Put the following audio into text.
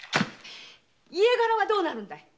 家柄はどうなるんだい？